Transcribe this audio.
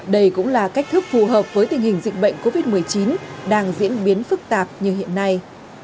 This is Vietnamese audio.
đây cũng là cách thức phù hợp với tình hình dịch bệnh covid một mươi chín đang diễn biến phức tạp như hiện nay